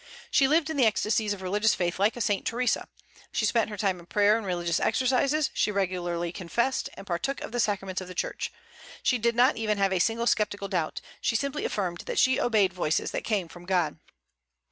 She lived in the ecstasies of religious faith like a Saint Theresa. She spent her time in prayer and religious exercises; she regularly confessed, and partook of the sacraments of the Church. She did not even have a single sceptical doubt; she simply affirmed that she obeyed voices that came from God.